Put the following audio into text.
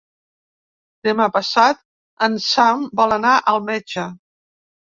Demà passat en Sam vol anar al metge.